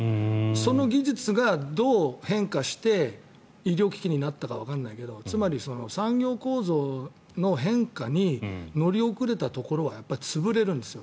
その技術がどう変化して医療機器になったかわからないけどつまり、産業構造の変化に乗り遅れたところはやっぱり潰れるんですよ。